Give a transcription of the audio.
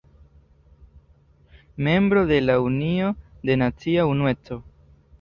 Membro de la Unio de Nacia Unueco.